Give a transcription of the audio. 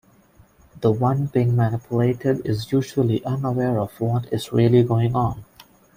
The one being manipulated is usually unaware of what is really going on.